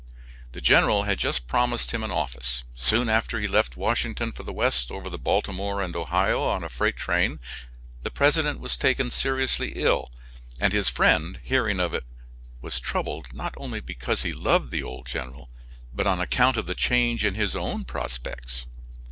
The general had just promised him an office; soon after he left Washington for the west over the Baltimore and Ohio on a freight train; the President was taken seriously ill, and his friend hearing of it was troubled not only because he loved the old general, but on account of the change in his own prospects.